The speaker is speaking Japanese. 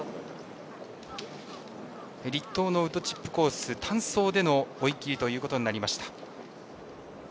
栗東のウッドチップ・コース単走での追い切りということになりました。